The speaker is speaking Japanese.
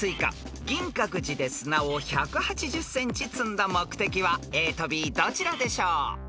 ［銀閣寺で砂を１８０ｃｍ積んだ目的はＡとＢどちらでしょう］